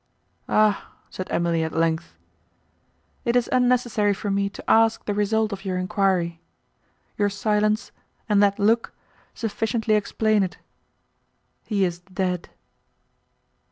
"Ah!" said Emily, at length, "it is unnecessary for me to ask the result of your enquiry, your silence, and that look, sufficiently explain it;—he is dead!"